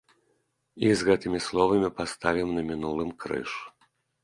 І з гэтымі словамі паставім на мінулым крыж.